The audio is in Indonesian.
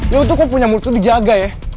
lu tuh kok punya murtuh dijaga ya